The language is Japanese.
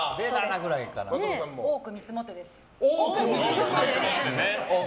多く見積もってです。